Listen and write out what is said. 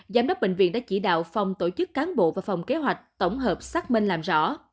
giám đốc bệnh viện đã chỉ đạo phòng tổ chức cán bộ và phòng kế hoạch tổng hợp xác minh làm rõ